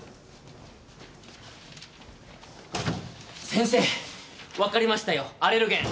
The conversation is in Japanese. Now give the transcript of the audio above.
先生わかりましたよアレルゲン！